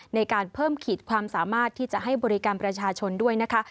ในการเพิ่มขีดความสามารถที่จะให้บริการประชาชนด้วยนะคะ